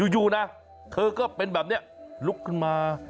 อยู่นะเธอก็เป็นแบบนี้ลุกขึ้นมา